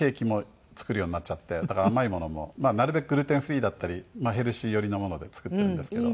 だから甘いものもなるべくグルテンフリーだったりヘルシー寄りのもので作っているんですけど。